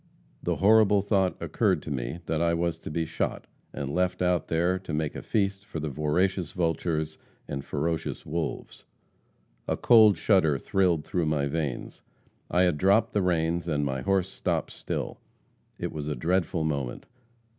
The horrible thought occurred to me that I was to be shot, and left out there to make a feast for voracious vultures and ferocious wolves. A cold shudder thrilled through my veins. I had dropped the reins, and my horse stopped still. It was a dreadful moment.